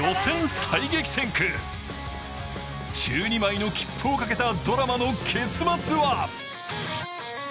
最激戦区、１２枚の切符をかけたドラマの結末は？